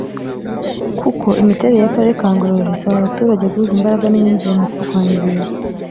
kuko imiterere y’Akarere ka Ngororero isaba abaturage guhuza imbaraga n’imyumvire mu kurwanya ibiza